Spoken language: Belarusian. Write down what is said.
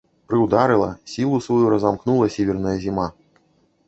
Прыўдарыла, сілу сваю разамкнула сіверная зіма.